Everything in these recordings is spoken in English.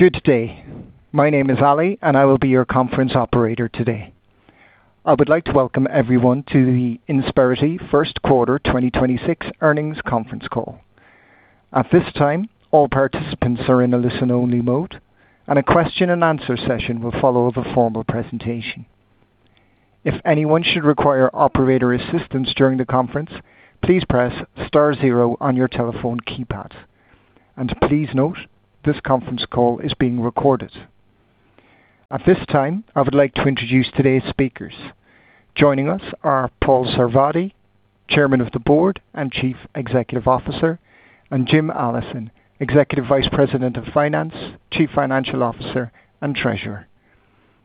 Good day. My name is Ali, and I will be your conference operator today. I would like to welcome everyone to the Insperity First Quarter 2026 Earnings Conference Call. At this time, all participants are in a listen-only mode, and a question-and-answer session will follow the formal presentation. If anyone should require operator assistance during the conference, please press star zero on your telephone keypad. Please note this conference call is being recorded. At this time, I would like to introduce today's speakers. Joining us are Paul Sarvadi, Chairman of the Board and Chief Executive Officer, and James Allison, Executive Vice President of Finance, Chief Financial Officer, and Treasurer.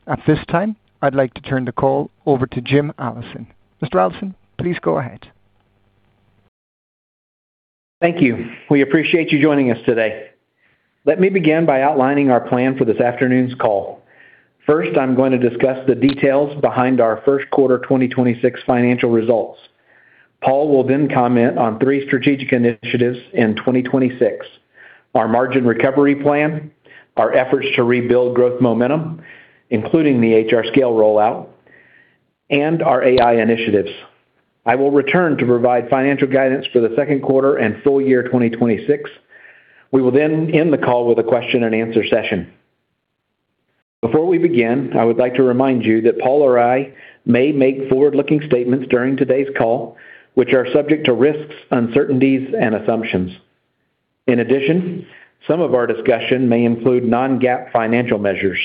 At this time, I'd like to turn the call over to James Allison. Mr. Allison, please go ahead. Thank you. We appreciate you joining us today. Let me begin by outlining our plan for this afternoon's call. First, I'm going to discuss the details behind our first quarter 2026 financial results. Paul will then comment on three strategic initiatives in 2026, our margin recovery plan, our efforts to rebuild growth momentum, including the HRScale rollout, and our AI initiatives. I will return to provide financial guidance for the second quarter and full year 2026. We will end the call with a question-and-answer session. Before we begin, I would like to remind you that Paul or I may make forward-looking statements during today's call, which are subject to risks, uncertainties, and assumptions. Some of our discussion may include non-GAAP financial measures.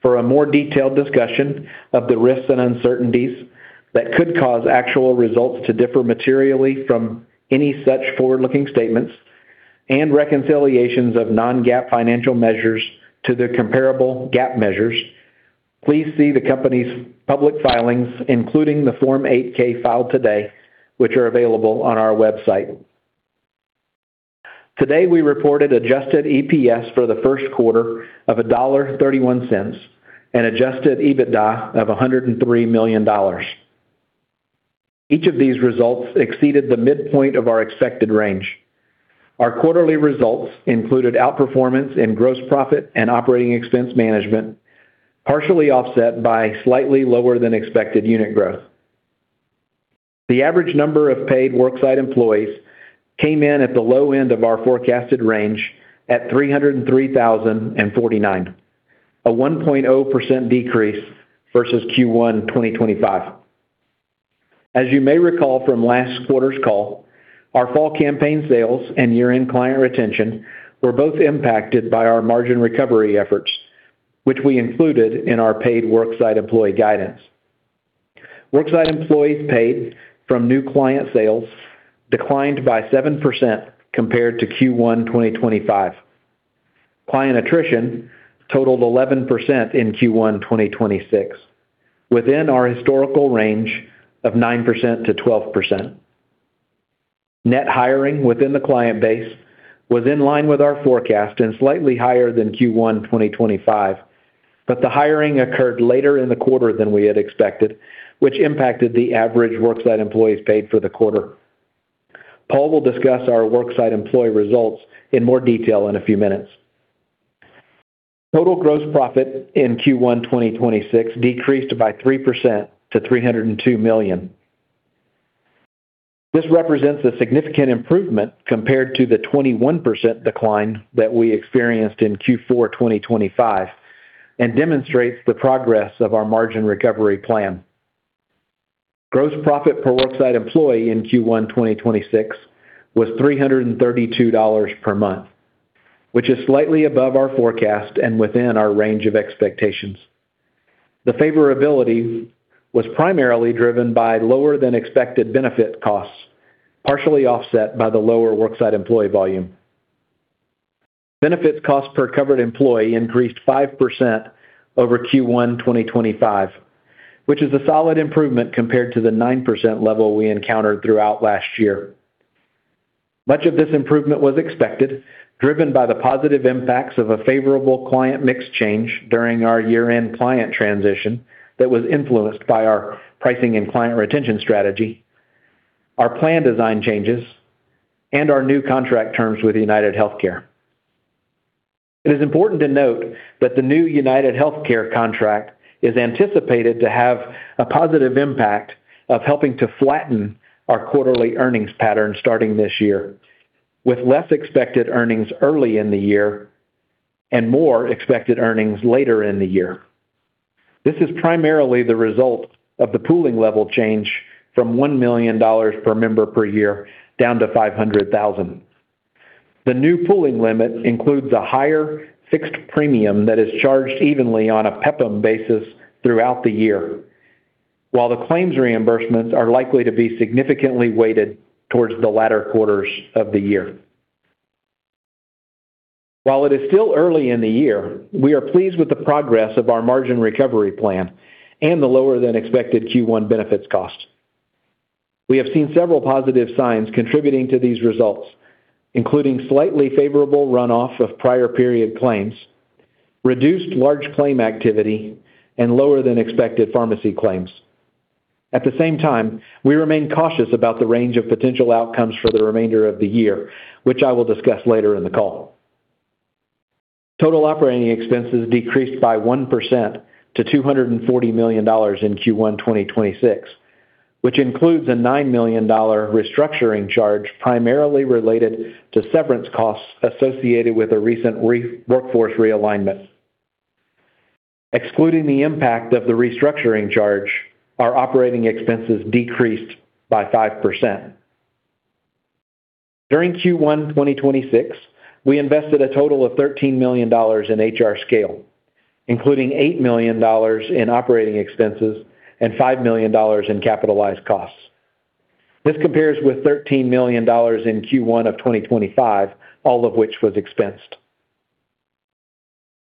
For a more detailed discussion of the risks and uncertainties that could cause actual results to differ materially from any such forward-looking statements and reconciliations of non-GAAP financial measures to the comparable GAAP measures, please see the company's public filings, including the Form 8-K filed today, which are available on our website. Today, we reported Adjusted EPS for the first quarter of $1.31 and Adjusted EBITDA of $103 million. Each of these results exceeded the midpoint of our expected range. Our quarterly results included outperformance in gross profit and operating expense management, partially offset by slightly lower than expected unit growth. The average number of paid worksite employees came in at the low end of our forecasted range at 303,049, a 1.0% decrease versus Q1 2025. As you may recall from last quarter's call, our fall campaign sales and year-end client retention were both impacted by our margin recovery efforts, which we included in our paid worksite employee guidance. Worksite employees paid from new client sales declined by 7% compared to Q1 2025. Client attrition totaled 11% in Q1 2026, within our historical range of 9%-12%. Net hiring within the client base was in line with our forecast and slightly higher than Q1 2025, but the hiring occurred later in the quarter than we had expected, which impacted the average worksite employees paid for the quarter. Paul will discuss our worksite employee results in more detail in a few minutes. Total gross profit in Q1 2026 decreased by 3% to $302 million. This represents a significant improvement compared to the 21% decline that we experienced in Q4 2025 and demonstrates the progress of our margin recovery plan. Gross profit per Worksite Employee in Q1 2026 was $332 per month, which is slightly above our forecast and within our range of expectations. The favorability was primarily driven by lower than expected benefit costs, partially offset by the lower Worksite Employee volume. Benefits cost per covered employee increased 5% over Q1 2025, which is a solid improvement compared to the 9% level we encountered throughout last year. Much of this improvement was expected, driven by the positive impacts of a favorable client mix change during our year-end client transition that was influenced by our pricing and client retention strategy, our plan design changes, and our new contract terms with UnitedHealthcare. It is important to note that the new UnitedHealthcare contract is anticipated to have a positive impact of helping to flatten our quarterly earnings pattern starting this year, with less expected earnings early in the year and more expected earnings later in the year. This is primarily the result of the pooling level change from $1 million per member per year down to $500,000. The new pooling limit includes a higher fixed premium that is charged evenly on a PEPPM basis throughout the year, while the claims reimbursements are likely to be significantly weighted towards the latter quarters of the year. While it is still early in the year, we are pleased with the progress of our margin recovery plan and the lower than expected Q1 benefits cost. We have seen several positive signs contributing to these results, including slightly favorable runoff of prior period claims, reduced large claim activity, and lower than expected pharmacy claims.At the same time, we remain cautious about the range of potential outcomes for the remainder of the year, which I will discuss later in the call. Total operating expenses decreased by 1% to $240 million in Q1 2026, which includes a $9 million restructuring charge primarily related to severance costs associated with a recent workforce realignment. Excluding the impact of the restructuring charge, our operating expenses decreased by 5%. During Q1 2026, we invested a total of $13 million in HRScale, including $8 million in operating expenses and $5 million in capitalized costs. This compares with $13 million in Q1 of 2025, all of which was expensed.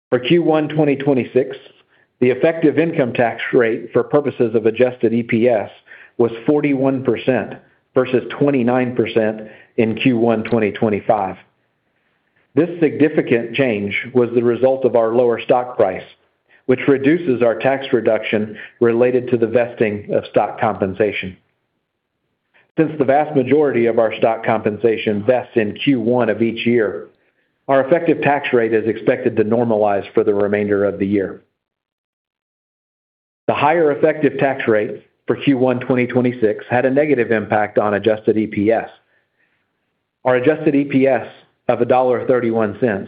For Q1 2026, the effective income tax rate for purposes of Adjusted EPS was 41% versus 29% in Q1 2025. This significant change was the result of our lower stock price, which reduces our tax reduction related to the vesting of stock compensation. Since the vast majority of our stock compensation vests in Q1 of each year, our effective tax rate is expected to normalize for the remainder of the year. The higher effective tax rate for Q1 2026 had a negative impact on Adjusted EPS. Our Adjusted EPS of $1.31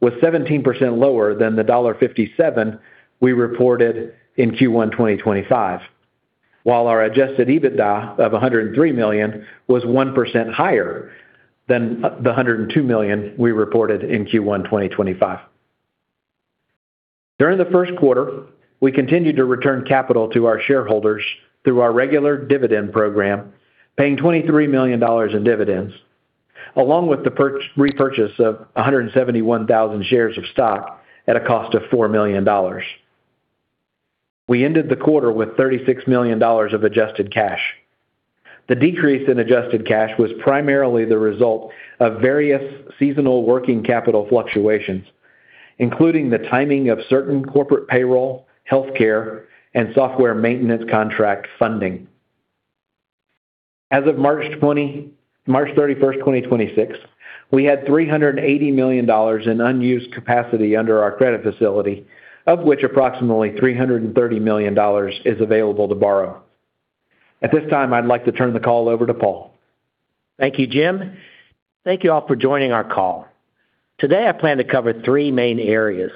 was 17% lower than the $1.57 we reported in Q1 2025. Our Adjusted EBITDA of $103 million was 1% higher than the $102 million we reported in Q1 2025. During the first quarter, we continued to return capital to our shareholders through our regular dividend program, paying $23 million in dividends, along with the repurchase of 171,000 shares of stock at a cost of $4 million. We ended the quarter with $36 million of adjusted cash. The decrease in adjusted cash was primarily the result of various seasonal working capital fluctuations, including the timing of certain corporate payroll, healthcare, and software maintenance contract funding. As of March 31st, 2026, we had $380 million in unused capacity under our credit facility, of which approximately $330 million is available to borrow. At this time, I'd like to turn the call over to Paul. Thank you, James. Thank you all for joining our call. Today, I plan to cover three main areas.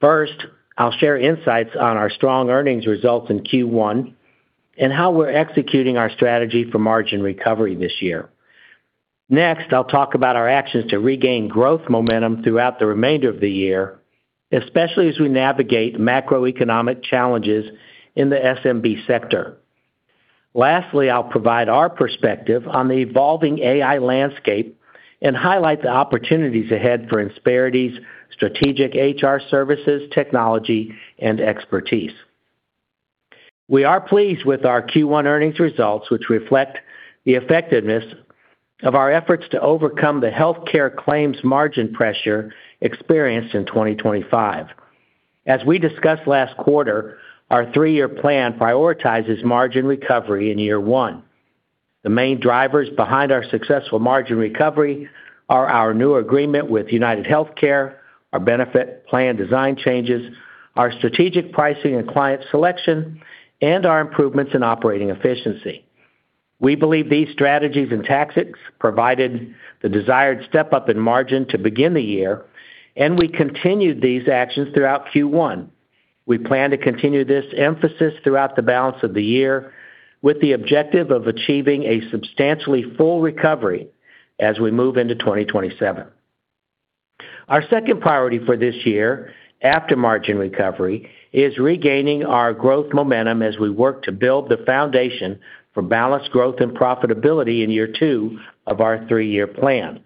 First, I'll share insights on our strong earnings results in Q1 and how we're executing our strategy for margin recovery this year. Next, I'll talk about our actions to regain growth momentum throughout the remainder of the year, especially as we navigate macroeconomic challenges in the SMB sector. Lastly, I'll provide our perspective on the evolving AI landscape and highlight the opportunities ahead for Insperity's strategic HR services, technology, and expertise. We are pleased with our Q1 earnings results, which reflect the effectiveness of our efforts to overcome the healthcare claims margin pressure experienced in 2025. As we discussed last quarter, our three-year plan prioritizes margin recovery in year one. The main drivers behind our successful margin recovery are our new agreement with UnitedHealthcare, our benefit plan design changes, our strategic pricing and client selection, and our improvements in operating efficiency. We believe these strategies and tactics provided the desired step-up in margin to begin the year, and we continued these actions throughout Q1. We plan to continue this emphasis throughout the balance of the year, with the objective of achieving a substantially full recovery as we move into 2027. Our second priority for this year, after margin recovery, is regaining our growth momentum as we work to build the foundation for balanced growth and profitability in year two of our three-year plan.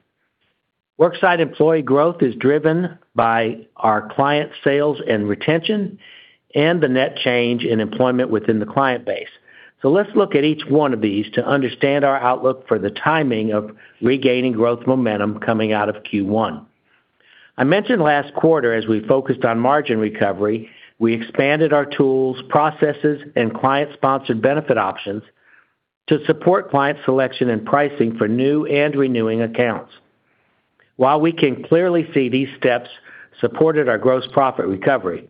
Worksite employee growth is driven by our client sales and retention and the net change in employment within the client base. Let's look at each one of these to understand our outlook for the timing of regaining growth momentum coming out of Q1. I mentioned last quarter, as we focused on margin recovery, we expanded our tools, processes, and client-sponsored benefit options to support client selection and pricing for new and renewing accounts. While we can clearly see these steps supported our gross profit recovery,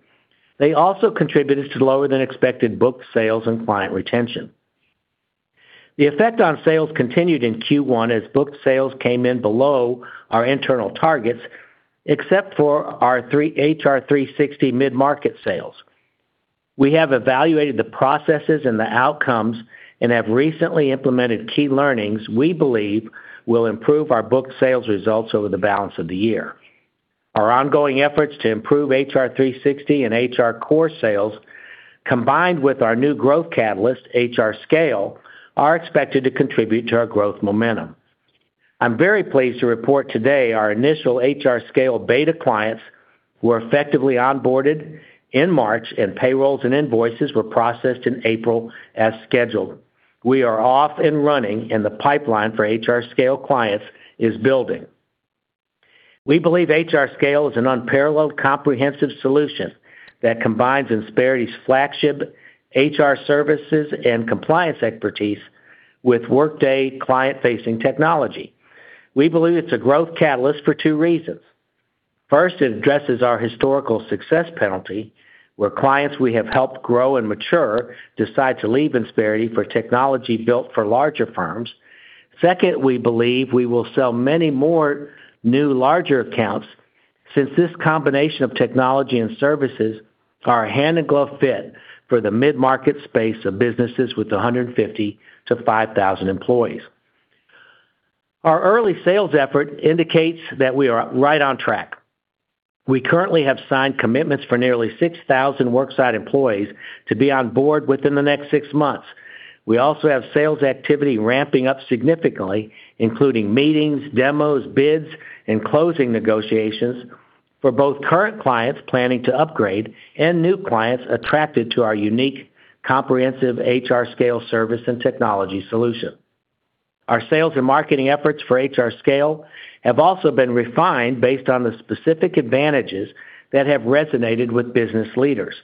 they also contributed to lower than expected booked sales and client retention. The effect on sales continued in Q1 as booked sales came in below our internal targets except for our Insperity HR360 mid-market sales. We have evaluated the processes and the outcomes and have recently implemented key learnings we believe will improve our booked sales results over the balance of the year. Our ongoing efforts to improve HR360 and HRCore sales, combined with our new growth catalyst, HRScale, are expected to contribute to our growth momentum. I'm very pleased to report today our initial HRScale beta clients were effectively onboarded in March and payrolls and invoices were processed in April as scheduled. We are off and running, and the pipeline for HRScale clients is building. We believe HRScale is an unparalleled comprehensive solution that combines Insperity's flagship HR services and compliance expertise with Workday client-facing technology. We believe it's a growth catalyst for two reasons. First, it addresses our historical success penalty, where clients we have helped grow and mature decide to leave Insperity for technology built for larger firms. Second, we believe we will sell many more new larger accounts since this combination of technology and services are a hand-in-glove fit for the mid-market space of businesses with 150 to 5,000 employees. Our early sales effort indicates that we are right on track. We currently have signed commitments for nearly 6,000 worksite employees to be on board within the next 6 months. We also have sales activity ramping up significantly, including meetings, demos, bids, and closing negotiations for both current clients planning to upgrade and new clients attracted to our unique comprehensive HRScale service and technology solution. Our sales and marketing efforts for HRScale have also been refined based on the specific advantages that have resonated with business leaders.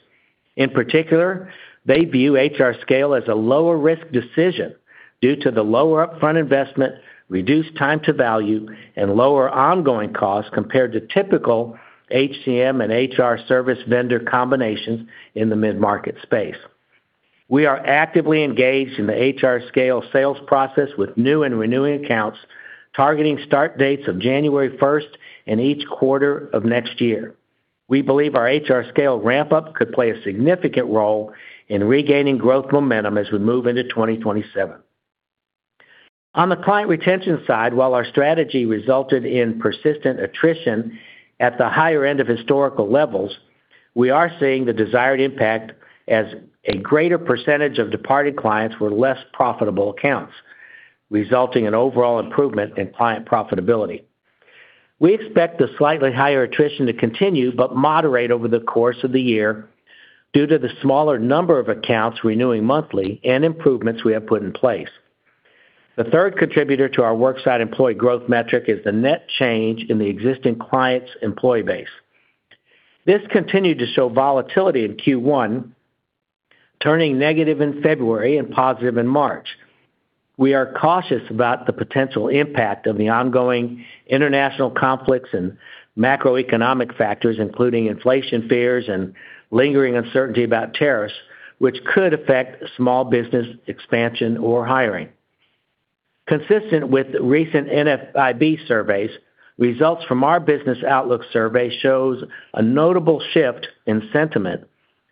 In particular, they view HRScale as a lower-risk decision due to the lower upfront investment, reduced time to value, and lower ongoing costs compared to typical HCM and HR service vendor combinations in the mid-market space. We are actively engaged in the HRScale sales process with new and renewing accounts targeting start dates of January 1st and each quarter of next year. We believe our HRScale ramp-up could play a significant role in regaining growth momentum as we move into 2027. On the client retention side, while our strategy resulted in persistent attrition at the higher end of historical levels, we are seeing the desired impact as a greater percentage of departed clients were less profitable accounts, resulting in overall improvement in client profitability. We expect the slightly higher attrition to continue but moderate over the course of the year due to the smaller number of accounts renewing monthly and improvements we have put in place. The third contributor to our worksite employee growth metric is the net change in the existing client's employee base. This continued to show volatility in Q1, turning negative in February and positive in March. We are cautious about the potential impact of the ongoing international conflicts and macroeconomic factors, including inflation fears and lingering uncertainty about tariffs, which could affect small business expansion or hiring. Consistent with recent NFIB surveys, results from our Business Outlook Survey shows a notable shift in sentiment,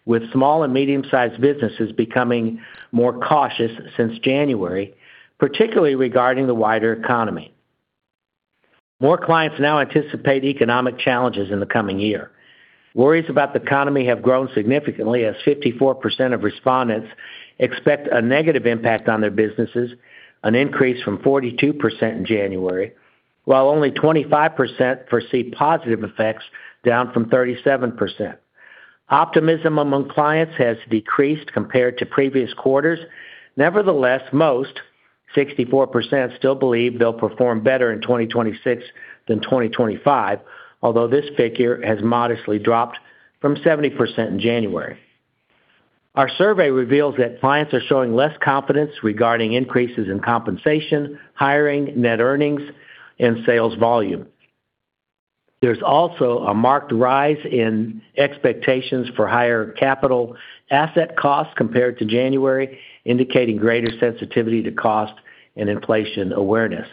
with small and medium-sized businesses becoming more cautious since January, particularly regarding the wider economy. More clients now anticipate economic challenges in the coming year. Worries about the economy have grown significantly as 54% of respondents expect a negative impact on their businesses, an increase from 42% in January, while only 25% foresee positive effects, down from 37%. Optimism among clients has decreased compared to previous quarters. Nevertheless, most, 64%, still believe they'll perform better in 2026 than 2025, although this figure has modestly dropped from 70% in January. Our survey reveals that clients are showing less confidence regarding increases in compensation, hiring, net earnings, and sales volume. There's also a marked rise in expectations for higher capital asset costs compared to January, indicating greater sensitivity to cost and inflation awareness.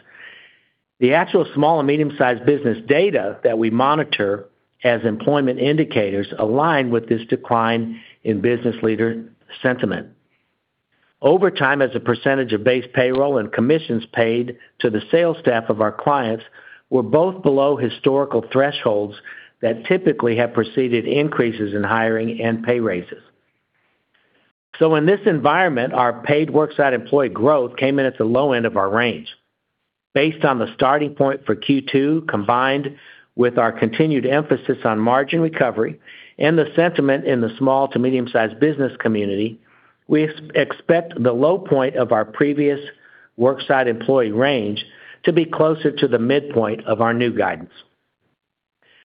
The actual small and medium-sized business data that we monitor as employment indicators align with this decline in business leader sentiment. Over time, as a percentage of base payroll and commissions paid to the sales staff of our clients were both below historical thresholds that typically have preceded increases in hiring and pay raises. In this environment, our paid worksite employee growth came in at the low end of our range. Based on the starting point for Q2, combined with our continued emphasis on margin recovery and the sentiment in the small to medium-sized business community, we expect the low point of our previous worksite employee range to be closer to the midpoint of our new guidance.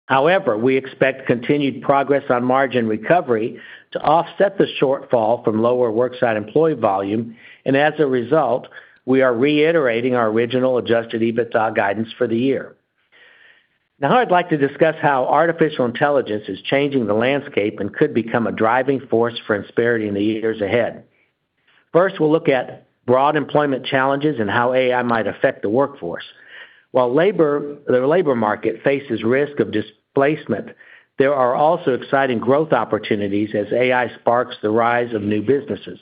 However, we expect continued progress on margin recovery to offset the shortfall from lower worksite employee volume, and as a result, we are reiterating our original Adjusted EBITDA guidance for the year. Now I'd like to discuss how artificial intelligence is changing the landscape and could become a driving force for Insperity in the years ahead. First, we'll look at broad employment challenges and how AI might affect the workforce. While the labor market faces risk of displacement, there are also exciting growth opportunities as AI sparks the rise of new businesses.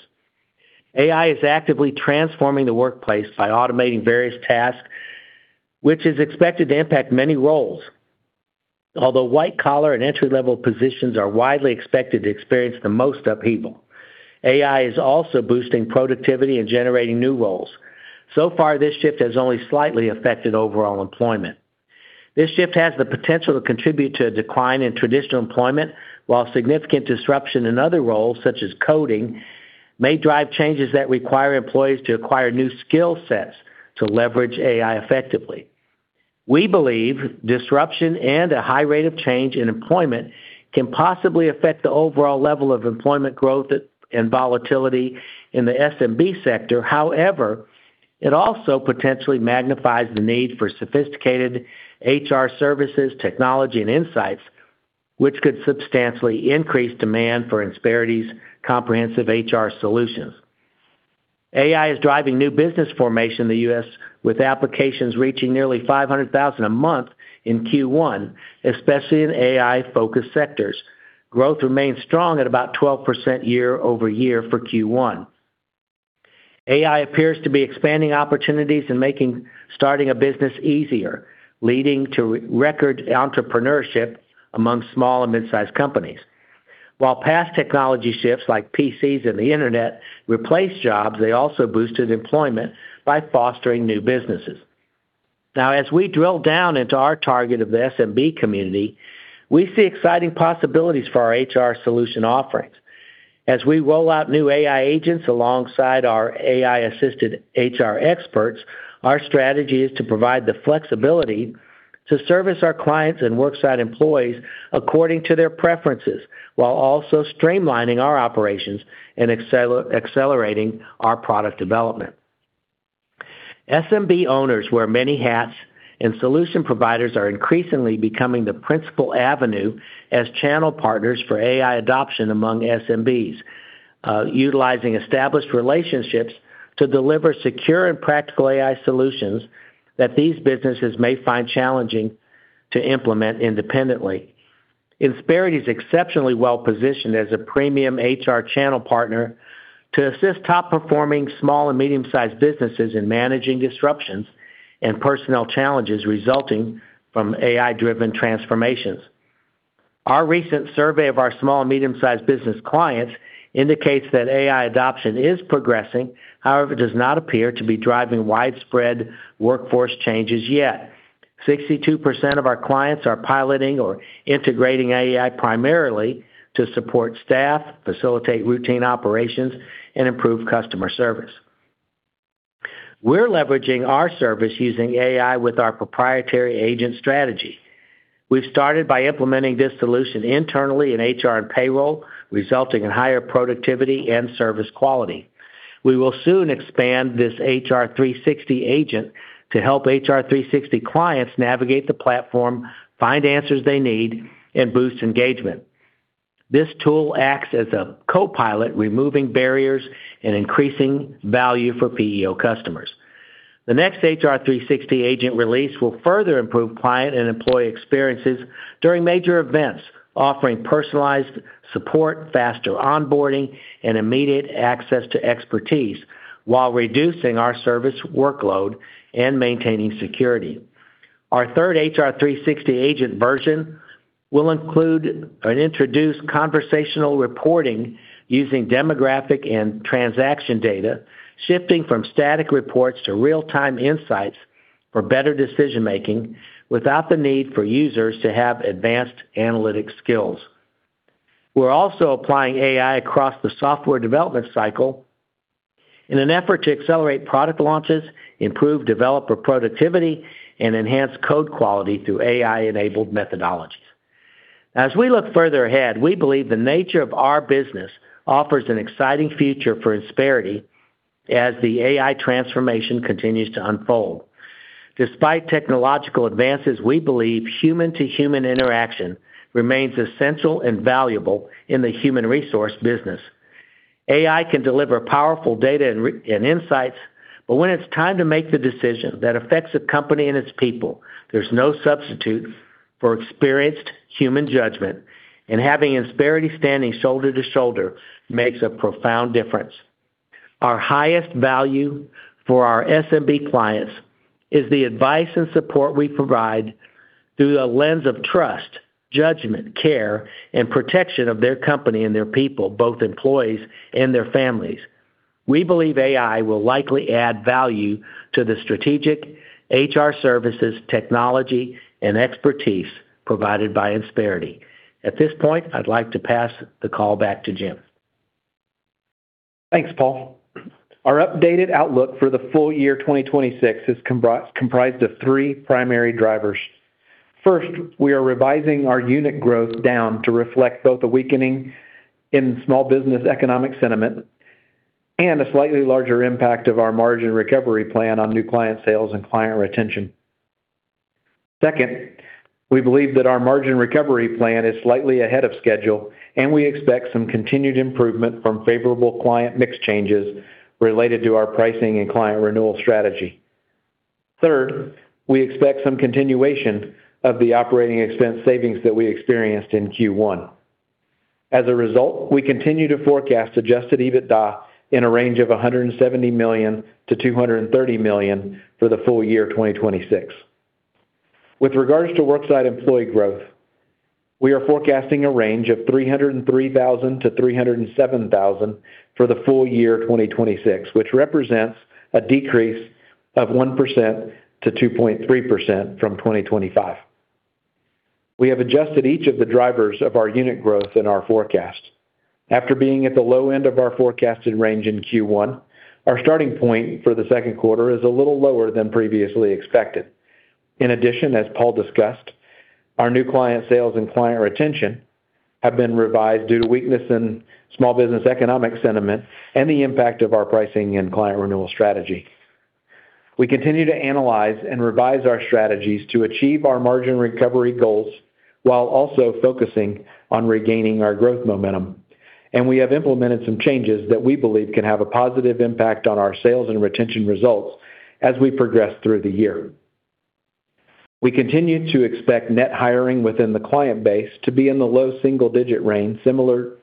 AI is actively transforming the workplace by automating various tasks, which is expected to impact many roles. Although white-collar and entry-level positions are widely expected to experience the most upheaval, AI is also boosting productivity and generating new roles. So far, this shift has only slightly affected overall employment. This shift has the potential to contribute to a decline in traditional employment, while significant disruption in other roles, such as coding may drive changes that require employees to acquire new skill sets to leverage AI effectively. We believe disruption and a high rate of change in employment can possibly affect the overall level of employment growth and volatility in the SMB sector. It also potentially magnifies the need for sophisticated HR services, technology, and insights, which could substantially increase demand for Insperity's comprehensive HR solutions. AI is driving new business formation in the U.S., with applications reaching nearly 500,000 a month in Q1, especially in AI-focused sectors. Growth remains strong at about 12% year-over-year for Q1. AI appears to be expanding opportunities and making starting a business easier, leading to record entrepreneurship among small and mid-sized companies. While past technology shifts, like PCs and the internet, replaced jobs, they also boosted employment by fostering new businesses. As we drill down into our target of the SMB community, we see exciting possibilities for our HR solution offerings. As we roll out new AI agents alongside our AI-assisted HR experts, our strategy is to provide the flexibility to service our clients and worksite employees according to their preferences, while also streamlining our operations and accelerating our product development. SMB owners wear many hats, and solution providers are increasingly becoming the principal avenue as channel partners for AI adoption among SMBs, utilizing established relationships to deliver secure and practical AI solutions that these businesses may find challenging to implement independently. Insperity is exceptionally well-positioned as a premium HR channel partner to assist top-performing small and medium-sized businesses in managing disruptions and personnel challenges resulting from AI-driven transformations. Our recent survey of our small and medium-sized business clients indicates that AI adoption is progressing. However, it does not appear to be driving widespread workforce changes yet. 62% of our clients are piloting or integrating AI primarily to support staff, facilitate routine operations, and improve customer service. We're leveraging our service using AI with our proprietary agent strategy. We've started by implementing this solution internally in HR and payroll, resulting in higher productivity and service quality. We will soon expand this HR360 agent to help HR360 clients navigate the platform, find answers they need, and boost engagement. This tool acts as a co-pilot, removing barriers and increasing value for PEO customers. The next HR360 agent release will further improve client and employee experiences during major events, offering personalized support, faster onboarding, and immediate access to expertise while reducing our service workload and maintaining security. Our 3rd HR360 agent version will include and introduce conversational reporting using demographic and transaction data, shifting from static reports to real-time insights for better decision-making without the need for users to have advanced analytic skills. We're also applying AI across the software development cycle in an effort to accelerate product launches, improve developer productivity, and enhance code quality through AI-enabled methodologies. We look further ahead, we believe the nature of our business offers an exciting future for Insperity as the AI transformation continues to unfold. Despite technological advances, we believe human-to-human interaction remains essential and valuable in the human resource business. AI can deliver powerful data and insights, but when it's time to make the decision that affects a company and its people, there's no substitute for experienced human judgment, and having Insperity standing shoulder to shoulder makes a profound difference. Our highest value for our SMB clients is the advice and support we provide through the lens of trust, judgment, care, and protection of their company and their people, both employees and their families. We believe AI will likely add value to the strategic HR services, technology, and expertise provided by Insperity. At this point, I'd like to pass the call back to James. Thanks, Paul. Our updated outlook for the full year 2026 is comprised of three primary drivers. We are revising our unit growth down to reflect both the weakening in small business economic sentiment and a slightly larger impact of our margin recovery plan on new client sales and client retention. We believe that our margin recovery plan is slightly ahead of schedule, and we expect some continued improvement from favorable client mix changes related to our pricing and client renewal strategy. We expect some continuation of the operating expense savings that we experienced in Q1. We continue to forecast Adjusted EBITDA in a range of $170 million-$230 million for the full year 2026. With regards to worksite employee growth, we are forecasting a range of 303,000 to 307,000 for the full year 2026, which represents a decrease of 1%-2.3% from 2025. We have adjusted each of the drivers of our unit growth in our forecast. After being at the low end of our forecasted range in Q1, our starting point for the second quarter is a little lower than previously expected. In addition, as Paul discussed, our new client sales and client retention have been revised due to weakness in small business economic sentiment and the impact of our pricing and client renewal strategy. We continue to analyze and revise our strategies to achieve our margin recovery goals while also focusing on regaining our growth momentum. We have implemented some changes that we believe can have a positive impact on our sales and retention results as we progress through the year. We continue to expect net hiring within the client base to be in the low single-digit range, similar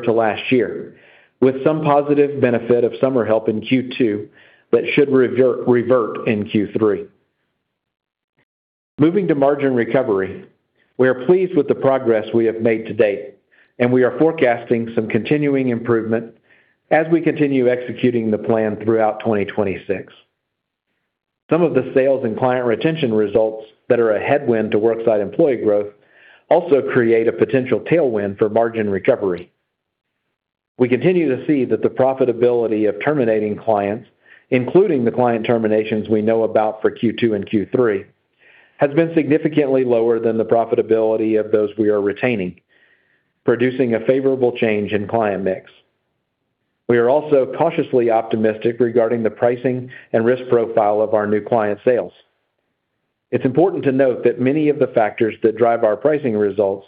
to last year, with some positive benefit of summer help in Q2 that should revert in Q3. Moving to margin recovery, we are pleased with the progress we have made to date. We are forecasting some continuing improvement as we continue executing the plan throughout 2026. Some of the sales and client retention results that are a headwind to worksite employee growth also create a potential tailwind for margin recovery. We continue to see that the profitability of terminating clients, including the client terminations we know about for Q2 and Q3, has been significantly lower than the profitability of those we are retaining, producing a favorable change in client mix. We are also cautiously optimistic regarding the pricing and risk profile of our new client sales. It's important to note that many of the factors that drive our pricing results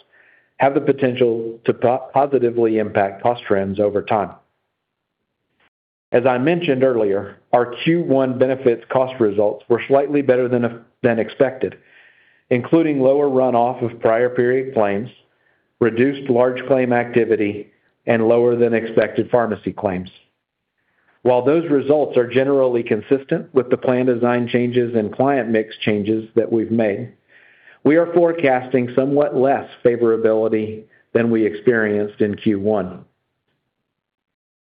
have the potential to positively impact cost trends over time. As I mentioned earlier, our Q1 benefits cost results were slightly better than expected, including lower runoff of prior period claims, reduced large claim activity, and lower than expected pharmacy claims. While those results are generally consistent with the plan design changes and client mix changes that we've made, we are forecasting somewhat less favorability than we experienced in Q1.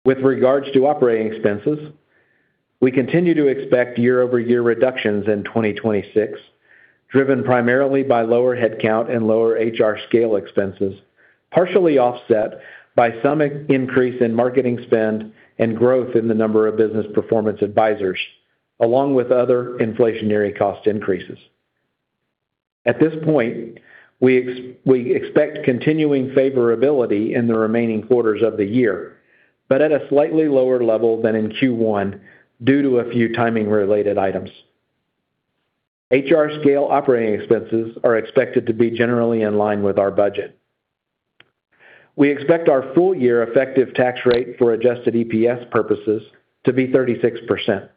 With regards to operating expenses, we continue to expect year-over-year reductions in 2026, driven primarily by lower headcount and lower HRScale expenses, partially offset by some increase in marketing spend and growth in the number of business performance advisors, along with other inflationary cost increases. At this point, we expect continuing favorability in the remaining quarters of the year, but at a slightly lower level than in Q1 due to a few timing related items. HRScale operating expenses are expected to be generally in line with our budget. We expect our full year effective tax rate for Adjusted EPS purposes to be 36%.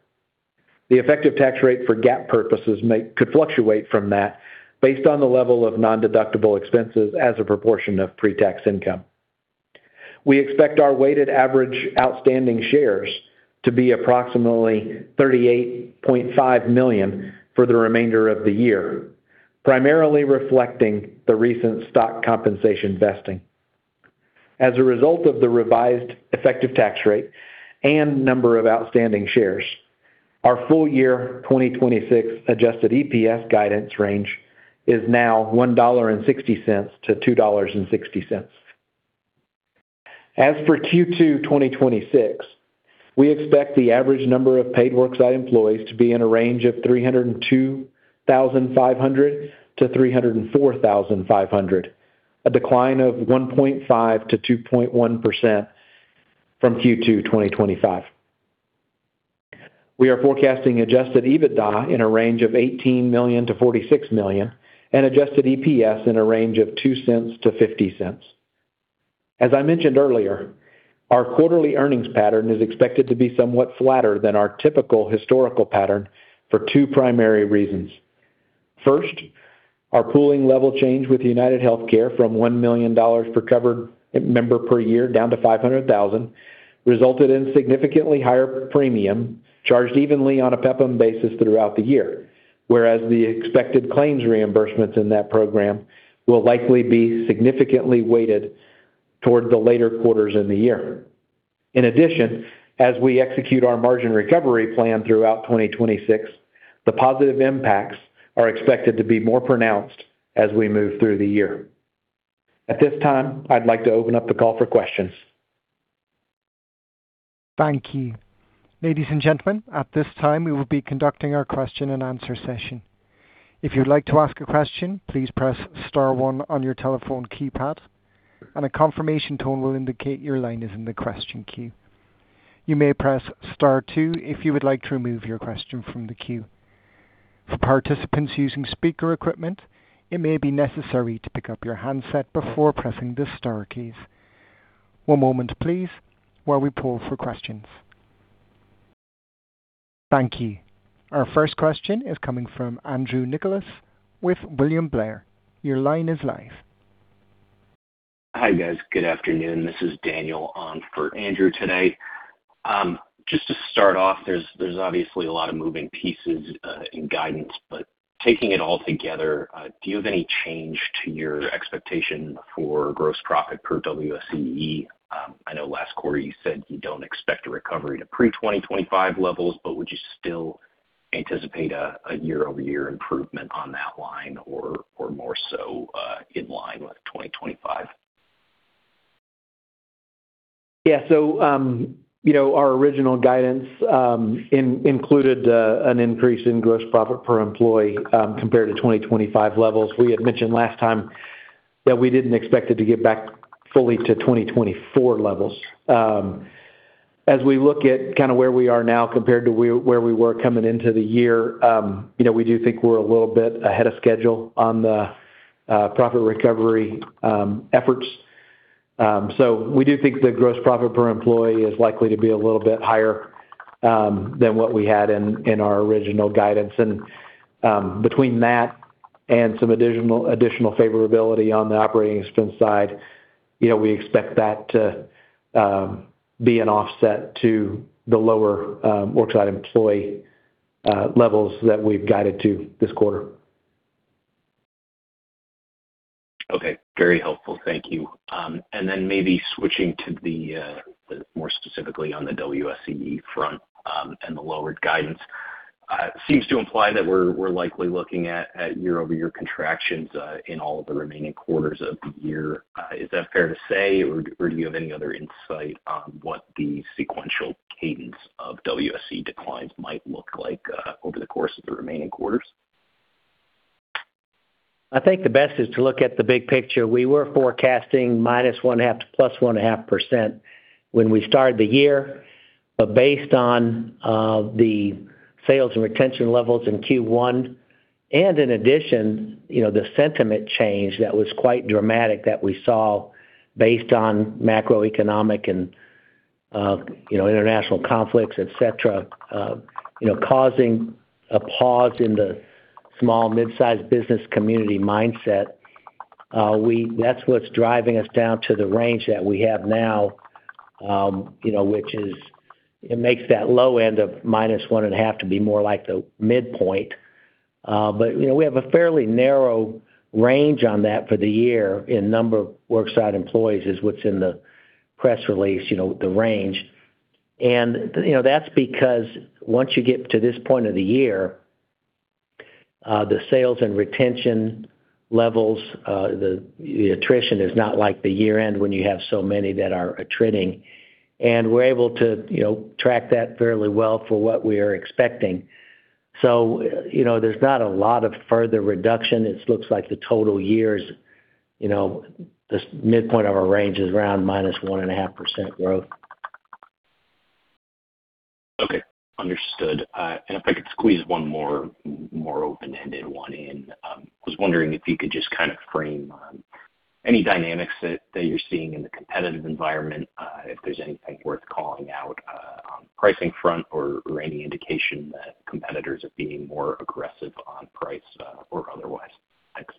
The effective tax rate for GAAP purposes could fluctuate from that based on the level of nondeductible expenses as a proportion of pre-tax income. We expect our weighted average outstanding shares to be approximately 38.5 million for the remainder of the year, primarily reflecting the recent stock compensation vesting. As a result of the revised effective tax rate and number of outstanding shares, our full year 2026 Adjusted EPS guidance range is now $1.60-$2.60. As for Q2 2026, we expect the average number of paid Worksite Employees to be in a range of 302,500-304,500, a decline of 1.5%-2.1% from Q2 2025. We are forecasting Adjusted EBITDA in a range of $18 million-$46 million and Adjusted EPS in a range of $0.02-$0.50. As I mentioned earlier, our quarterly earnings pattern is expected to be somewhat flatter than our typical historical pattern for two primary reasons. First, our pooling level change with UnitedHealthcare from $1 million per covered member per year down to $500,000 resulted in significantly higher premium charged evenly on a PEPPM basis throughout the year, whereas the expected claims reimbursements in that program will likely be significantly weighted toward the later quarters in the year. In addition, as we execute our margin recovery plan throughout 2026, the positive impacts are expected to be more pronounced as we move through the year. At this time, I'd like to open up the call for questions. Thank you. Ladies and gentlemen, at this time, we will be conducting our question and answer session. If you'd like to ask a question, please press star one on your telephone keypad, and a confirmation tone will indicate your line is in the question queue. You may press star two if you would like to remove your question from the queue. For participants using speaker equipment, it may be necessary to pick up your handset before pressing the star keys. One moment please, while we poll for questions. Thank you. Our first question is coming from Andrew Nicholas with William Blair. Your line is live. Hi, guys. Good afternoon. This is Daniel on for Andrew today. Just to start off, there's obviously a lot of moving pieces in guidance. Taking it all together, do you have any change to your expectation for gross profit per WSE? I know last quarter you said you don't expect a recovery to pre-2025 levels. Would you still anticipate a year-over-year improvement on that line or more so in line with 2025? Yeah. You know, our original guidance included an increase in gross profit per employee compared to 2025 levels. We had mentioned last time that we didn't expect it to get back fully to 2024 levels. As we look at kind of where we are now compared to where we were coming into the year, you know, we do think we're a little bit ahead of schedule on the profit recovery efforts. We do think the gross profit per employee is likely to be a little bit higher than what we had in our original guidance. Between that and some additional favorability on the operating expense side, you know, we expect that to be an offset to the lower worksite employee levels that we've guided to this quarter. Okay. Very helpful. Thank you. Then maybe switching to the more specifically on the WSE front, and the lowered guidance. It seems to imply that we're likely looking at year-over-year contractions in all of the remaining quarters of the year. Is that fair to say, or do you have any other insight on what the sequential cadence of WSE declines might look like over the course of the remaining quarters? I think the best is to look at the big picture. We were forecasting -0.5% to +1.5% when we started the year. Based on the sales and retention levels in Q1 and in addition, the sentiment change that was quite dramatic that we saw based on macroeconomic and international conflicts, et cetera, causing a pause in the small midsize business community mindset, that's what's driving us down to the range that we have now, which is it makes that low end of -1.5 to be more like the midpoint. We have a fairly narrow range on that for the year in number of worksite employees is what's in the press release, the range. You know, that's because once you get to this point of the year, the sales and retention levels, the attrition is not like the year-end when you have so many that are attriting. We're able to, you know, track that fairly well for what we are expecting. You know, there's not a lot of further reduction. It looks like the total years, you know, this midpoint of our range is around -1.5% growth. Okay. Understood. If I could squeeze one more open-ended one in. I was wondering if you could just kind of frame any dynamics that you're seeing in the competitive environment, if there's anything worth calling out on the pricing front or any indication that competitors are being more aggressive on price, or otherwise. Thanks.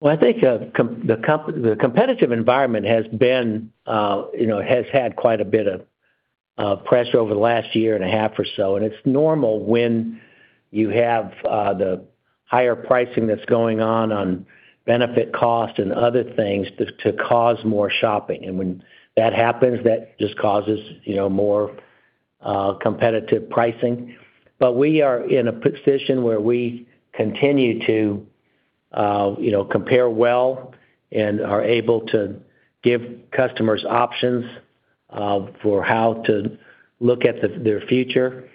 Well, I think the competitive environment has been, you know, has had quite a bit of pressure over the last year and a half or so. It's normal when you have the higher pricing that's going on benefit cost and other things to cause more shopping. When that happens, that just causes, you know, more competitive pricing. We are in a position where we continue to, you know, compare well and are able to give customers options for how to look at their future.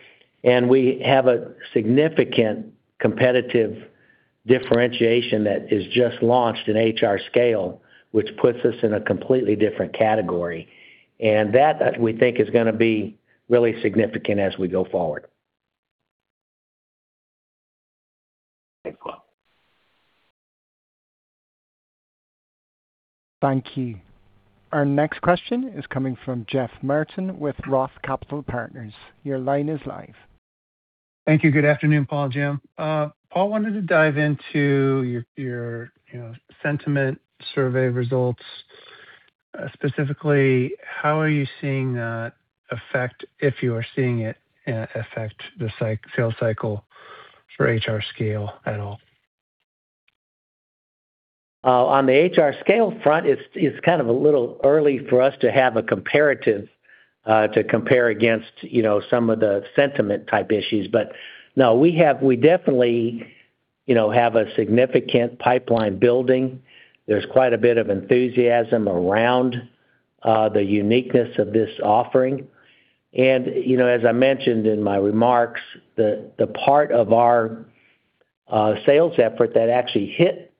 We have a significant competitive differentiation that is just launched in Insperity HRScale, which puts us in a completely different category. That, we think, is gonna be really significant as we go forward. Thanks. Well. Thank you. Our next question is coming from Jeff Martin with Roth Capital Partners. Your line is live. Thank you. Good afternoon, Paul and James. Paul, wanted to dive into your, you know, sentiment survey results. Specifically, how are you seeing that affect, if you are seeing it, affect the sales cycle for Insperity HRScale at all? On the Insperity HRScale front, it's kind of a little early for us to have a comparative to compare against, you know, some of the sentiment type issues. No, we definitely, you know, have a significant pipeline building. There's quite a bit of enthusiasm around the uniqueness of this offering. You know, as I mentioned in my remarks, the part of our sales effort that actually hit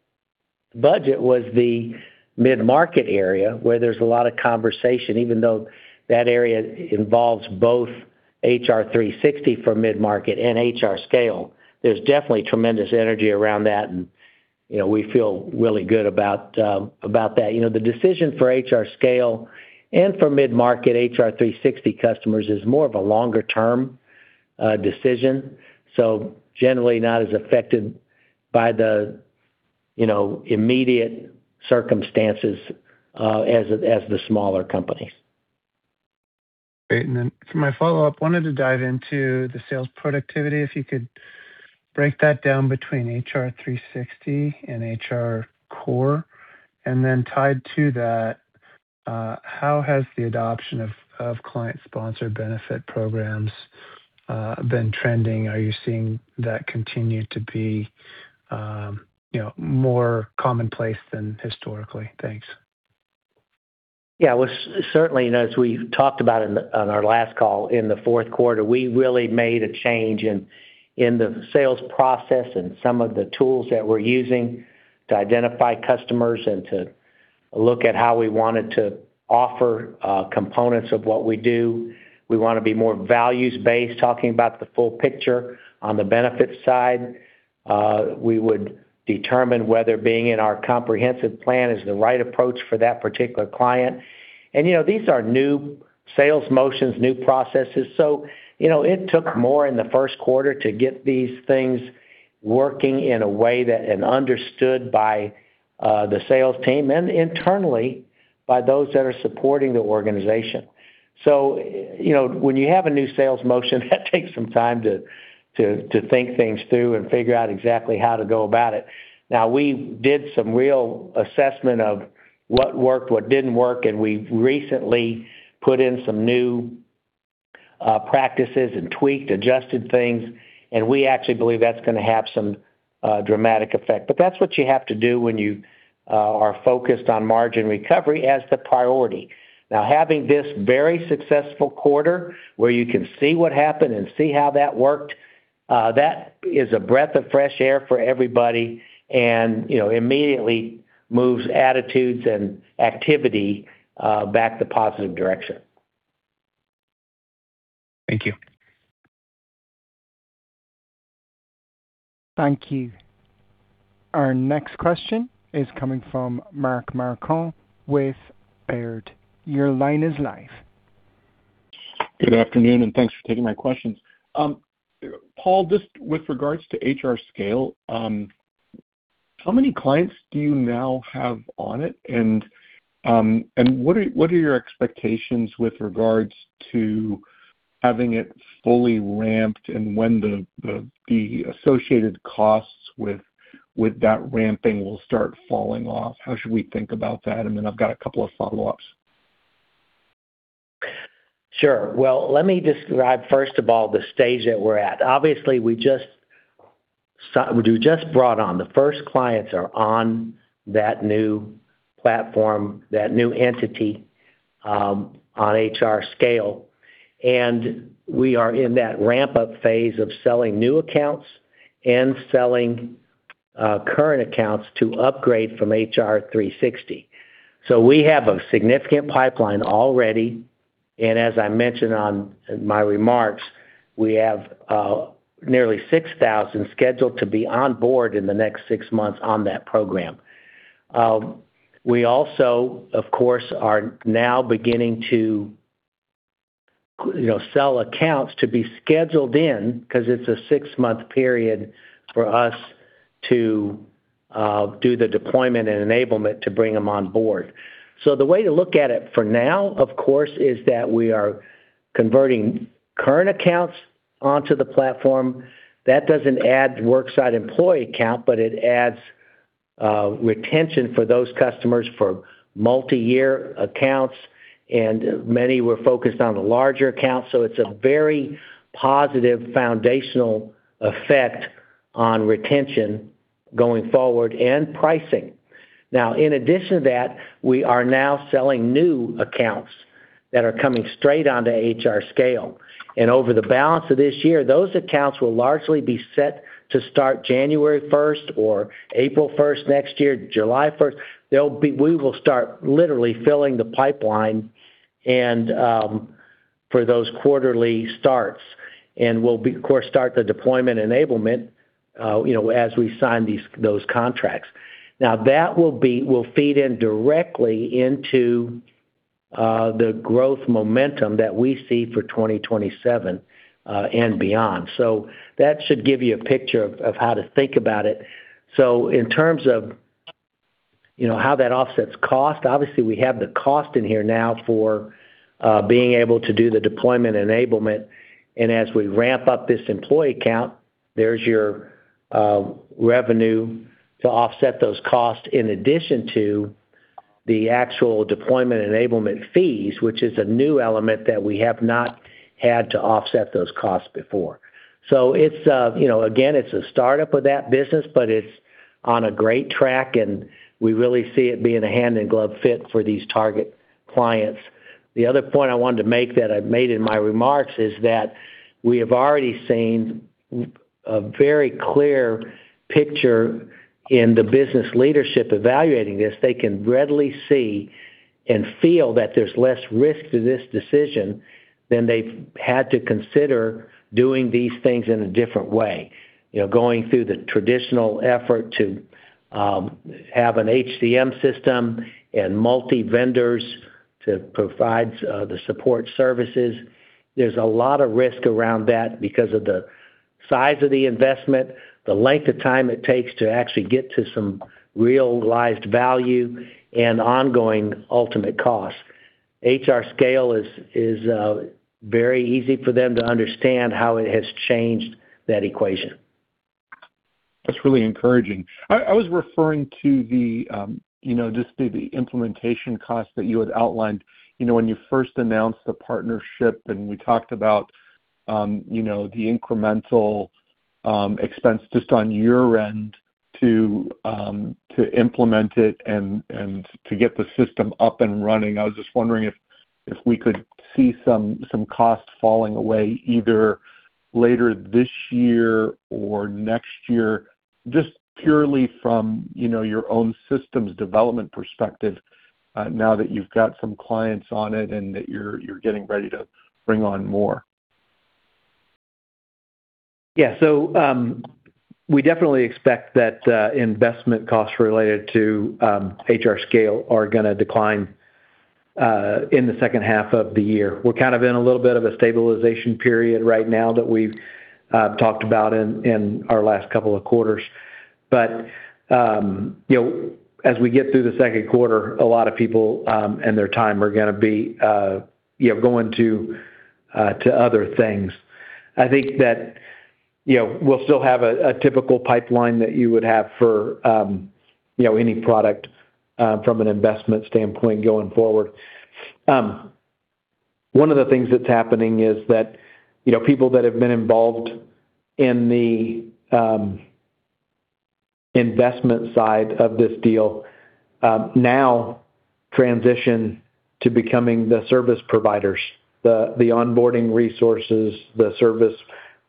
budget was the mid-market area where there's a lot of conversation, even though that area involves both Insperity HR360 for mid-market and Insperity HRScale. There's definitely tremendous energy around that and, you know, we feel really good about about that. You know, the decision for Insperity HRScale and for mid-market Insperity HR360 customers is more of a longer-term, decision, so generally not as affected by the, you know, immediate circumstances, as the smaller companies. Great. For my follow-up, wanted to dive into the sales productivity, if you could break that down between Insperity HR360 and Insperity HRCore. Tied to that, how has the adoption of client-sponsored benefit programs been trending? Are you seeing that continue to be, you know, more commonplace than historically? Thanks. Yeah. Well, certainly, you know, as we've talked about in, on our last call, in the fourth quarter, we really made a change in the sales process and some of the tools that we're using to identify customers and to look at how we wanted to offer components of what we do. We wanna be more values-based, talking about the full picture on the benefits side. We would determine whether being in our comprehensive plan is the right approach for that particular client. You know, these are new sales motions, new processes. You know, it took more in the first quarter to get these things working in a way that and understood by the sales team and internally by those that are supporting the organization. You know, when you have a new sales motion, that takes some time to think things through and figure out exactly how to go about it. We did some real assessment of what worked, what didn't work, and we've recently put in some new practices and tweaked, adjusted things, and we actually believe that's gonna have some dramatic effect. That's what you have to do when you are focused on margin recovery as the priority. Having this very successful quarter where you can see what happened and see how that worked, that is a breath of fresh air for everybody and, you know, immediately moves attitudes and activity back the positive direction. Thank you. Thank you. Our next question is coming from Mark Marcon with Baird. Your line is live. Good afternoon, thanks for taking my questions. Paul, just with regards to Insperity HRScale, how many clients do you now have on it? What are your expectations with regards to having it fully ramped and when the associated costs with that ramping will start falling off? How should we think about that? I've got a couple of follow-ups. Sure. Well, let me describe, first of all, the stage that we're at. Obviously, we just brought on. The first clients are on that new platform, that new entity, on Insperity HRScale, we are in that ramp-up phase of selling new accounts and selling current accounts to upgrade from Insperity HR360. We have a significant pipeline already, and as I mentioned in my remarks, we have nearly 6,000 scheduled to be on board in the next six months on that program. We also, of course, are now beginning to, you know, sell accounts to be scheduled in because it's a six-month period for us to do the deployment and enablement to bring them on board. The way to look at it for now, of course, is that we are converting current accounts onto the platform. That doesn't add worksite employee count, but it adds retention for those customers for multiyear accounts, and many were focused on the larger accounts. It's a very positive foundational effect on retention going forward and pricing. In addition to that, we are now selling new accounts that are coming straight onto Insperity HRScale. Over the balance of this year, those accounts will largely be set to start January first or April first next year, July first. We will start literally filling the pipeline for those quarterly starts, and of course, start the deployment enablement, you know, as we sign these, those contracts. That will be, will feed in directly into the growth momentum that we see for 2027 and beyond. That should give you a picture of how to think about it. In terms of, you know, how that offsets cost, obviously, we have the cost in here now for being able to do the deployment enablement. As we ramp up this employee count, there's your revenue to offset those costs in addition to the actual deployment enablement fees, which is a new element that we have not had to offset those costs before. It's, you know, again, it's a startup of that business, but it's on a great track, and we really see it being a hand-in-glove fit for these target clients. The other point I wanted to make that I made in my remarks is that we have already seen a very clear picture in the business leadership evaluating this. They can readily see and feel that there's less risk to this decision than they've had to consider doing these things in a different way. You know, going through the traditional effort to have an HCM system and multi-vendors to provide the support services. There's a lot of risk around that because of the size of the investment, the length of time it takes to actually get to some real realized value and ongoing ultimate cost. Insperity HRScale is very easy for them to understand how it has changed that equation. That's really encouraging. I was referring to the, you know, just the implementation costs that you had outlined, you know, when you first announced the partnership, and we talked about, you know, the incremental expense just on your end to implement it and to get the system up and running. I was just wondering if we could see some costs falling away either later this year or next year, just purely from, you know, your own systems development perspective, now that you've got some clients on it and that you're getting ready to bring on more. We definitely expect that investment costs related to HRScale are gonna decline in the second half of the year. We're kind of in a little bit of a stabilization period right now that we've talked about in our last couple of quarters. You know, as we get through the second quarter, a lot of people and their time are gonna be, you know, going to other things. I think that, you know, we'll still have a typical pipeline that you would have for, you know, any product from an investment standpoint going forward. One of the things that's happening is that, you know, people that have been involved in the investment side of this deal, now transition to becoming the service providers, the onboarding resources, the service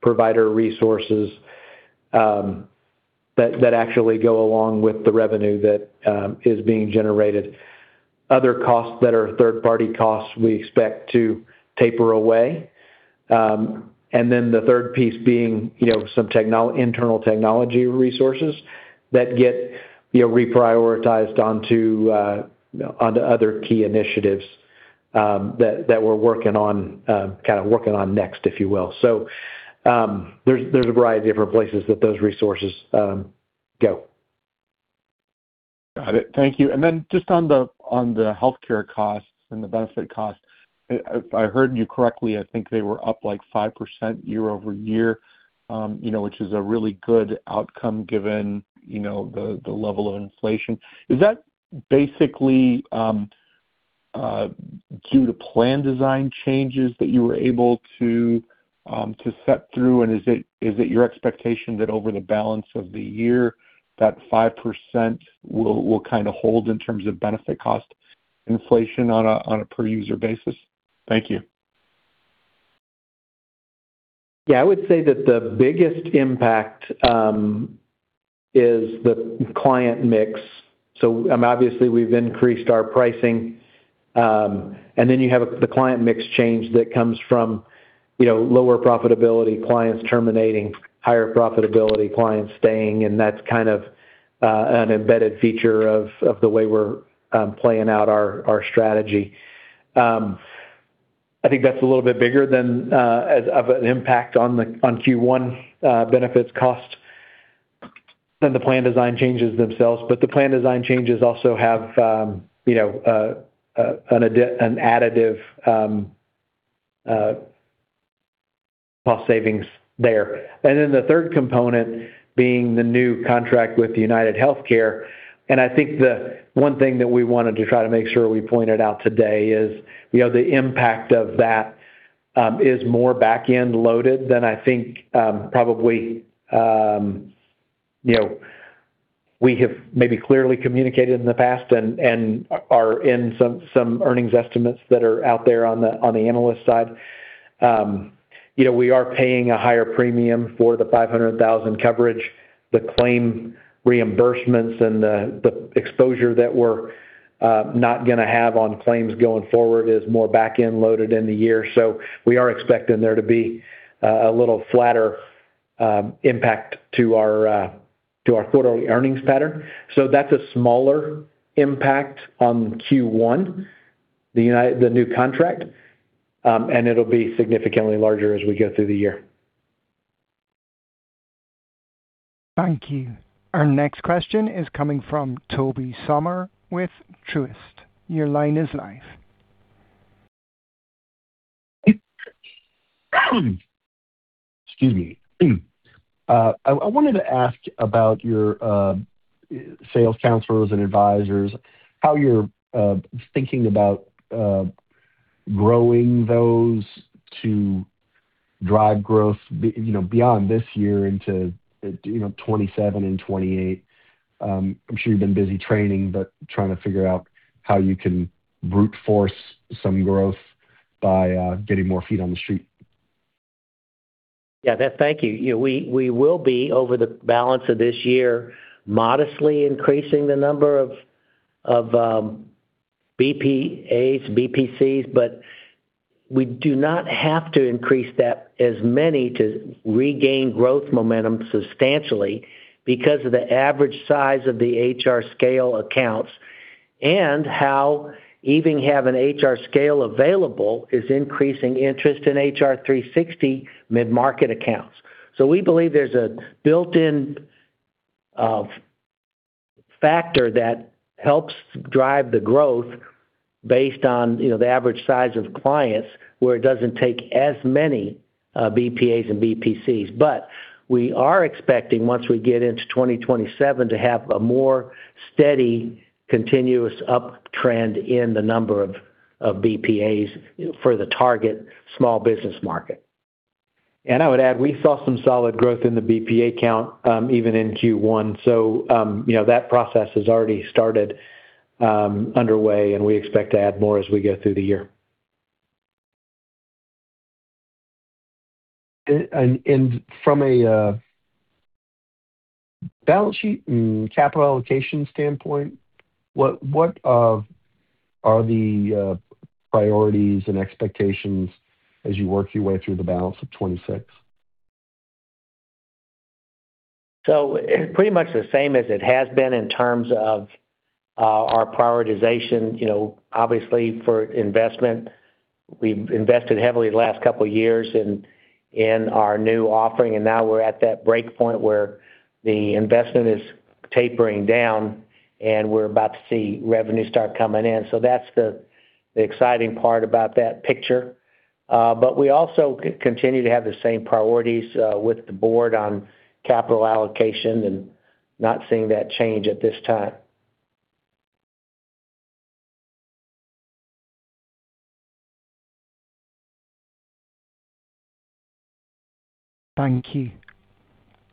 provider resources that actually go along with the revenue that is being generated. Other costs that are third-party costs, we expect to taper away. Then the third piece being, you know, some internal technology resources that get, you know, reprioritized onto other key initiatives that we're working on, kind of working on next, if you will. There's a variety of different places that those resources go. Got it. Thank you. Then just on the, on the healthcare costs and the benefit costs, if I heard you correctly, I think they were up, like, 5% year-over-year, you know, which is a really good outcome given, you know, the level of inflation. Is that basically, due to plan design changes that you were able to set through? Is it, is it your expectation that over the balance of the year, that 5% will kind of hold in terms of benefit cost inflation on a, on a per user basis? Thank you. I would say that the biggest impact is the client mix. Obviously we've increased our pricing, and then you have the client mix change that comes from, you know, lower profitability clients terminating, higher profitability clients staying, and that's kind of an embedded feature of the way we're playing out our strategy. I think that's a little bit bigger than as of an impact on the Q1 benefits cost than the plan design changes themselves. The plan design changes also have, you know, an additive cost savings there. The third component being the new contract with UnitedHealthcare, and I think the one thing that we wanted to try to make sure we pointed out today is, you know, the impact of that is more back-end loaded than I think probably, you know, we have maybe clearly communicated in the past and are in some earnings estimates that are out there on the analyst side. You know, we are paying a higher premium for the $500,000 coverage. The claim reimbursements and the exposure that we're not gonna have on claims going forward is more back-end loaded in the year. We are expecting there to be a little flatter impact to our quarterly earnings pattern. That's a smaller impact on Q1, the new contract, and it'll be significantly larger as we go through the year. Thank you. Our next question is coming from Tobey Sommer with Truist. Your line is live. Excuse me. I wanted to ask about your sales counselors and advisors, how you're thinking about growing those to drive growth beyond this year into 2027 and 2028? I'm sure you've been busy training, but trying to figure out how you can brute force some growth by getting more feet on the street. Yeah. Thank you. You know, we will be over the balance of this year modestly increasing the number of BPAs, BPCs, but we do not have to increase that as many to regain growth momentum substantially because of the average size of the Insperity HRScale accounts and how even having Insperity HRScale available is increasing interest in Insperity HR360 mid-market accounts. We believe there's a built-in factor that helps drive the growth based on, you know, the average size of clients, where it doesn't take as many BPAs and BPCs. We are expecting, once we get into 2027, to have a more steady, continuous uptrend in the number of BPAs for the target small business market. I would add, we saw some solid growth in the BPA count, even in Q1. You know, that process has already started underway, and we expect to add more as we go through the year. From a balance sheet and capital allocation standpoint, what are the priorities and expectations as you work your way through the balance of 2026? Pretty much the same as it has been in terms of our prioritization. You know, obviously for investment, we've invested heavily the last couple years in our new offering, and now we're at that break point where the investment is tapering down and we're about to see revenue start coming in. That's the exciting part about that picture. We also continue to have the same priorities with the board on capital allocation and not seeing that change at this time. Thank you.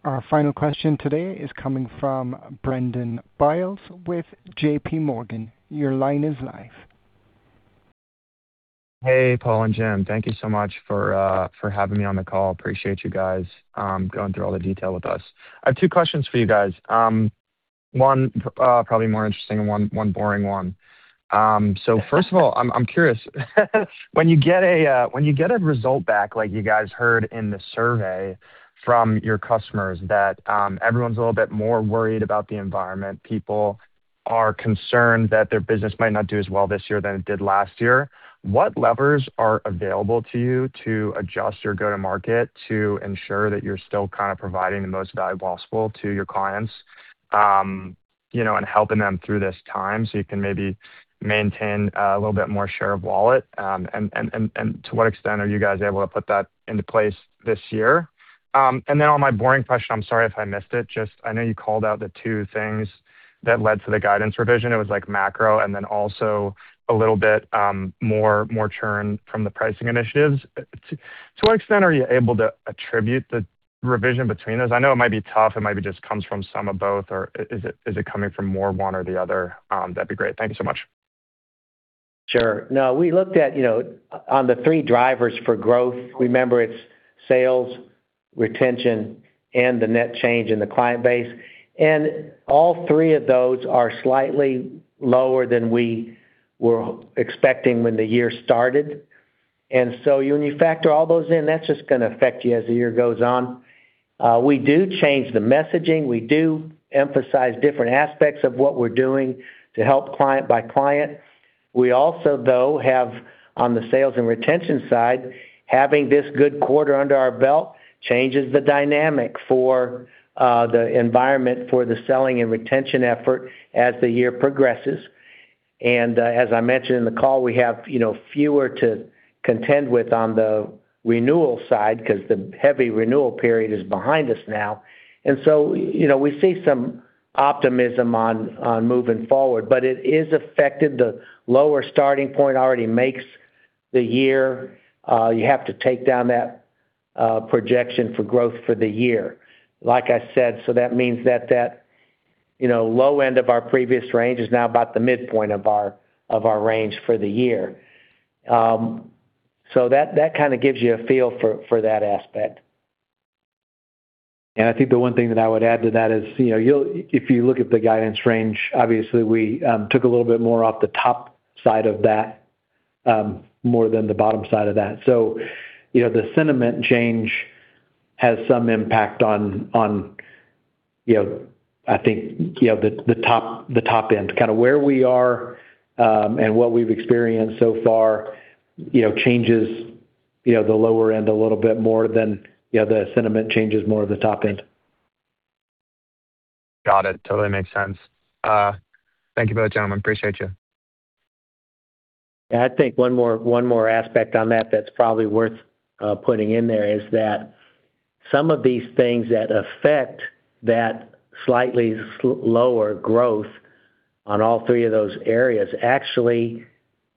Our final question today is coming from Brendan Biles with JPMorgan. Your line is live. Hey, Paul and James. Thank you so much for having me on the call. Appreciate you guys going through all the detail with us. I have two questions for you guys. One, probably more interesting and one boring one. First of all, I'm curious, when you get a result back like you guys heard in the survey from your customers that everyone's a little bit more worried about the environment. People are concerned that their business might not do as well this year than it did last year. What levers are available to you to adjust your go-to-market to ensure that you're still kind of providing the most value possible to your clients, you know, and helping them through this time, so you can maybe maintain a little bit more share of wallet? To what extent are you guys able to put that into place this year? On my boring question, I'm sorry if I missed it. Just I know you called out the two things that led to the guidance revision. It was like macro and then also a little bit more churn from the pricing initiatives. To what extent are you able to attribute the revision between those? I know it might be tough. It might be just comes from some of both. Is it coming from more one or the other? That'd be great. Thank you so much. Sure. No, we looked at, you know, on the three drivers for growth. Remember, it's sales, retention, and the net change in the client base. All three of those are slightly lower than we were expecting when the year started. When you factor all those in, that's just gonna affect you as the year goes on. We do change the messaging. We do emphasize different aspects of what we're doing to help client by client. We also, though, have, on the sales and retention side, having this good quarter under our belt changes the dynamic for the environment for the selling and retention effort as the year progresses. As I mentioned in the call, we have, you know, fewer to contend with on the renewal side 'cause the heavy renewal period is behind us now. You know, we see some optimism on moving forward, but it is affected. The lower starting point already makes the year, you have to take down that projection for growth for the year. Like I said, that means that that, you know, low end of our previous range is now about the midpoint of our, of our range for the year. That kind of gives you a feel for that aspect. I think the one thing that I would add to that is, you know, if you look at the guidance range, obviously we took a little bit more off the top side of that, more than the bottom side of that. You know, the sentiment change has some impact on, you know, I think, you know, the top, the top end, kind of where we are and what we've experienced so far, you know, changes, you know, the lower end a little bit more than, you know, the sentiment changes more at the top end. Got it. Totally makes sense. Thank you for that, gentlemen. Appreciate you. I think one more aspect on that that's probably worth putting in there is that some of these things that affect that slightly lower growth on all three of those areas actually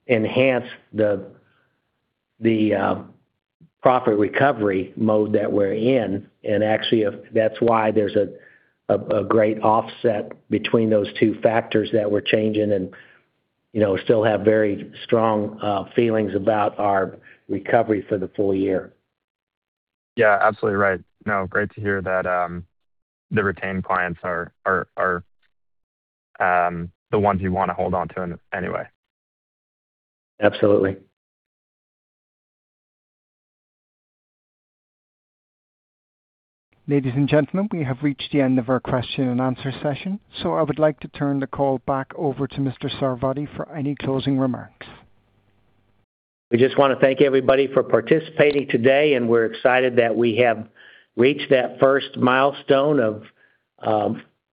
enhance the profit recovery mode that we're in. Actually, that's why there's a great offset between those two factors that we're changing and, you know, still have very strong feelings about our recovery for the full year. Yeah, absolutely right. No, great to hear that, the retained clients are the ones you wanna hold on to anyway. Absolutely. Ladies and gentlemen, we have reached the end of our question and answer session, so I would like to turn the call back over to Mr. Sarvadi for any closing remarks. We just wanna thank everybody for participating today. We're excited that we have reached that first milestone of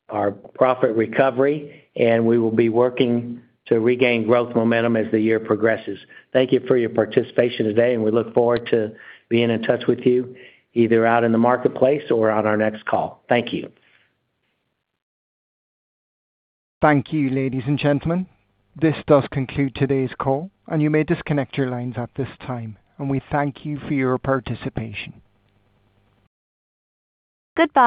our profit recovery. We will be working to regain growth momentum as the year progresses. Thank you for your participation today. We look forward to being in touch with you either out in the marketplace or on our next call. Thank you. Thank you, ladies and gentlemen. This does conclude today's call, and you may disconnect your lines at this time. We thank you for your participation.